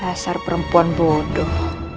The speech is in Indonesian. dasar perempuan bodoh